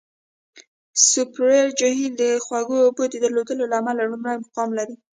سوپریر جهیل د خوږو اوبو د درلودلو له امله لومړی مقام لري.